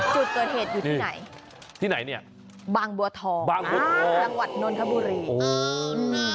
จุดเกิดเหตุอยู่ที่ไหนบางบัวทองหลังวัดนทบุรี